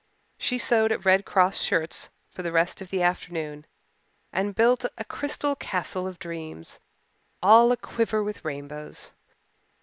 She sewed at Red Cross shirts for the rest of the afternoon and built a crystal castle of dreams, all a quiver with rainbows.